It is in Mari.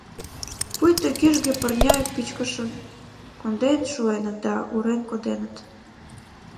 Пуйто кӱжгӧ пырня пӱчкышым конден шуэныт да урен коденыт.